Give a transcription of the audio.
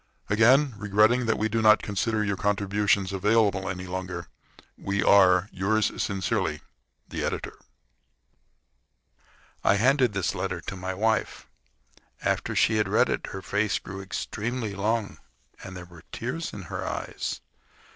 Again regretting that we do not consider your contributions available any longer, we are, yours sincerely, THE EDITOR. I handed this letter to my wife. After she had read it her face grew extremely long, and there were tears in her eyes.